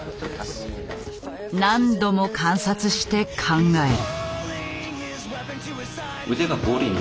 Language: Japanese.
何度も観察して考える。